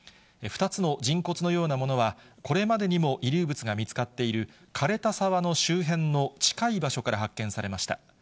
２つの人骨のようなものは、これまでにも遺留物が見つかっている、かれた沢の周辺の近い場所から発見されました。